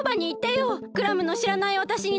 クラムのしらないわたしになるから。